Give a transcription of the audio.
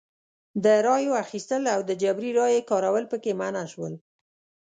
د رایو اخیستل او د جبري رایې کارول پکې منع شول.